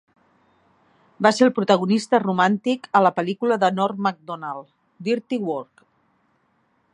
Va ser el protagonista romàntic a la pel·lícula de Norm Macdonald, "Dirty Work".